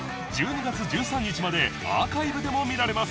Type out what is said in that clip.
１２月１３日までアーカイブでも見られます